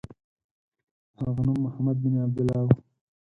د هغه نوم محمد بن عبدالله و.